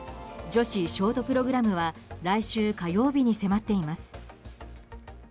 女子ショートプログラムは来週火曜日に迫っています。